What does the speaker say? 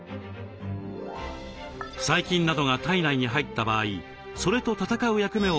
細菌などが体内に入った場合それと戦う役目を果たすのは白血球。